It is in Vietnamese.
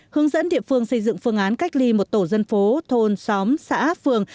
hướng dẫn địa phương xây dựng phương án cách ly một tổ dân phố thôn xóm xã phường